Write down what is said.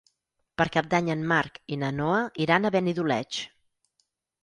Per Cap d'Any en Marc i na Noa iran a Benidoleig.